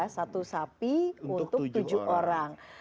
satu sapi untuk tujuh orang